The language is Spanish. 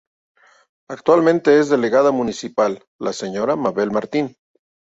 Actualmente es Delegada Municipal la señora Mabel Martín.